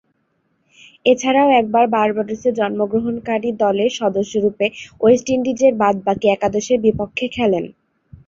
এছাড়াও একবার বার্বাডোসে জন্মগ্রহণকারী দলের সদস্যরূপে ওয়েস্ট ইন্ডিজের বাদ-বাকী একাদশের বিপক্ষে খেলেন।